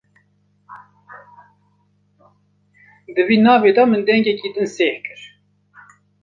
Di vê navê de min dengekî din seh kir.